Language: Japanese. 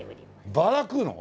バラ食うの？